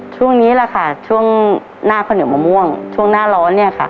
ช่วงนี้แหละค่ะช่วงหน้าข้าวเหนียวมะม่วงช่วงหน้าร้อนเนี่ยค่ะ